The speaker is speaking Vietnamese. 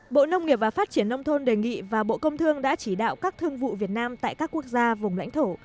bộ nông nghiệp và phát triển nông thôn đề nghị và bộ công thương đã chỉ đạo các thương vụ việt nam tại các quốc gia vùng lãnh thổ